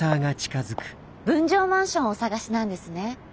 分譲マンションをお探しなんですね。